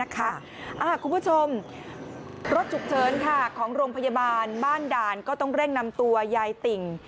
คุณผู้ชมรถฉุกเฉินของโรงพยาบาลบ้านด่านก็ต้องเร่งนำตัวยายติ่ง